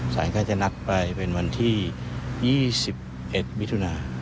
ส่วนใหญ่ก็จะนัดไปเป็นวันที่๒๑วิธุนาคม